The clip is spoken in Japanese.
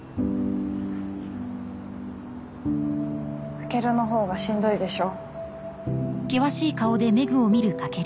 翔のほうがしんどいでしょ？